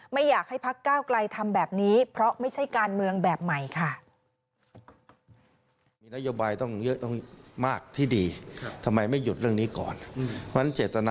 ไม่อยากให้พักก้าวไกลทำแบบนี้เพราะไม่ใช่การเมืองแบบใหม่ค่ะ